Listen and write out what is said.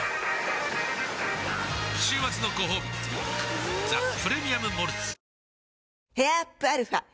週末のごほうび「ザ・プレミアム・モルツ」